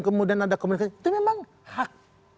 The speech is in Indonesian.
kemudian ada komunikasi itu memang hak